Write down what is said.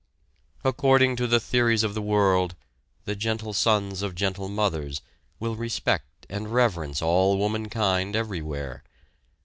According to the theories of the world, the gentle sons of gentle mothers will respect and reverence all womankind everywhere.